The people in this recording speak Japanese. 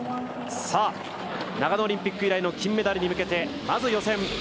長野オリンピック以来の金メダルに向けてまず予選。